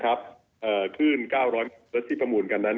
ขึ้น๙๐๐แล้วที่ประมูลกันนั้น